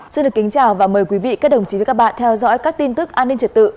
xin được kính chào và mời quý vị các đồng chí với các bạn theo dõi các tin tức an ninh trật tự